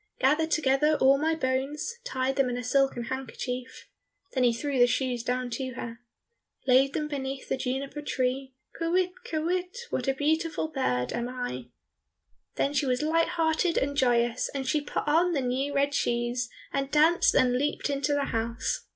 "Gathered together all my bones, Tied them in a silken handkerchief," Then he threw down the shoes to her. "Laid them beneath the juniper tree, Kywitt, kywitt, what a beautiful bird am I!" Then she was light hearted and joyous, and she put on the new red shoes, and danced and leaped into the house.